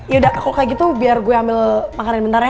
yaudah kalo kaya gitu biar gue ambil makanan bentar ya